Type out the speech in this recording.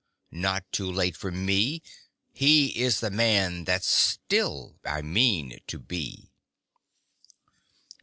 Not too late for me He is the Man that Still I Mean to Be!